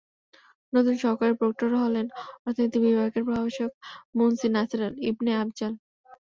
নতুন সহকারী প্রক্টর হলেন অর্থনীতি বিভাগের প্রভাষক মুন্সী নাসের ইবনে আফজাল।